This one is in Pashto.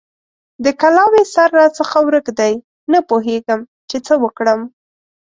د کلاوې سر راڅخه ورک دی؛ نه پوهېږم چې څه وکړم؟!